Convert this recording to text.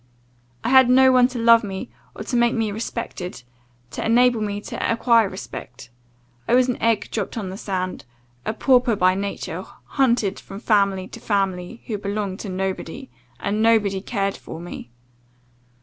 I had no one to love me; or to make me respected, to enable me to acquire respect. I was an egg dropped on the sand; a pauper by nature, hunted from family to family, who belonged to nobody and nobody cared for me.